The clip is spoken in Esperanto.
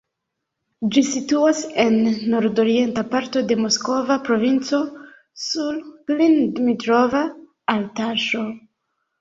Ĝi situas en nord-orienta parto de Moskva provinco sur Klin-Dmitrova altaĵo.